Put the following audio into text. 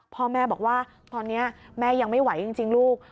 พ่อแม่บอกว่าตอนนี้แม่ยังไม่ไหวจริงลูก